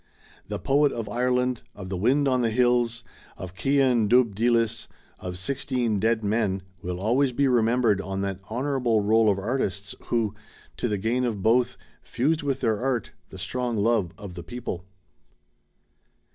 The poet of "Ireland," of the Wind on the Hills," of "Ceann Dubh Dihs," of "Six teen Dead Men," will always be remembered on that honourable roll of artists who, to the gain of both, fused with their art, the strong love of the people.